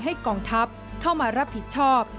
กองทัพเข้ามารับผิดชอบ